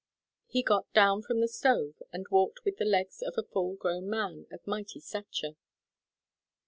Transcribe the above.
He got down from the stove and walked with the legs of a full grown man of mighty stature.